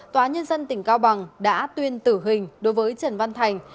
tòa nhân dân tỉnh cao bằng đã tuyên tử hình đối với trần văn thành